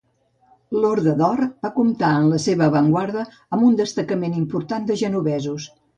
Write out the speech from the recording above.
L'Horda d'Or va comptar en la seva avantguarda amb un destacament important de genovesos.